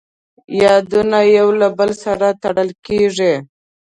یادونه له یو بل سره تړل کېږي.